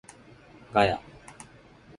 ガヤ